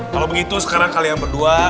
kalau begitu sekarang kalian berdua